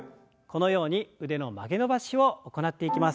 このように腕の曲げ伸ばしを行っていきます。